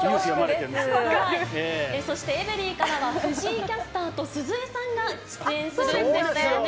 そしてエブリィからは、藤井キャスターと鈴江さんが出演するんですね。